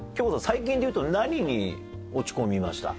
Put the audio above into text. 最近でいうと何に落ち込みました？